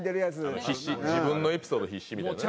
自分のエピソード必死！みたいなね。